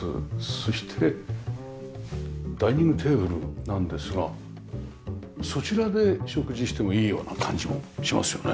そしてダイニングテーブルなんですがそちらで食事してもいいような感じもしますよね。